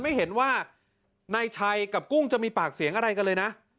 ไม่เห็นว่านายชัยกับกุ้งจะมีปากเสียงอะไรกันเลยนะ